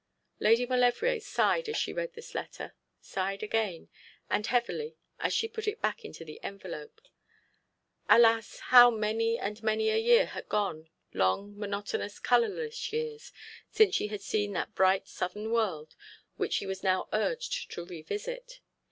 Lady Maulevrier sighed as she read this letter, sighed again, and heavily, as she put it back into the envelope. Alas, how many and many a year had gone, long, monotonous, colourless years, since she had seen that bright southern world which she was now urged to revisit.